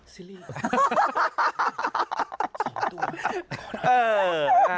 ซิริย์